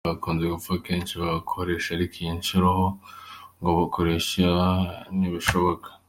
Cyakunze gupfa kenshi bagakoresha, ariko iyi nshuro ho ngo gukoresha ntibishoboka.